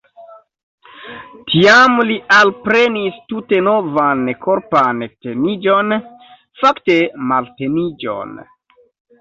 Tiam li alprenis tute novan korpan teniĝon – fakte malteniĝon.